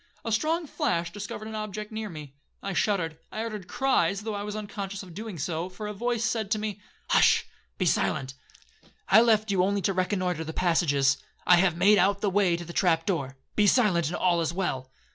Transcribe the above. A strong flash discovered an object near me. I shuddered,—I uttered cries, though I was unconscious of doing so, for a voice said to me,—'Hush, be silent; I left you only to reconnoitre the passages. I have made out the way to the trap door,—be silent, and all is well.'